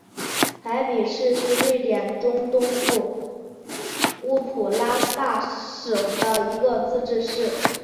海比市是瑞典中东部乌普萨拉省的一个自治市。